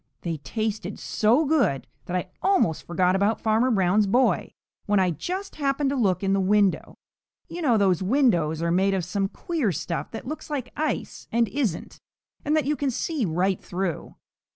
They tasted so good that I almost forgot about Farmer Brown's boy, when I just happened to look in the window. You know those windows are made of some queer stuff that looks like ice and isn't, and that you can see right through."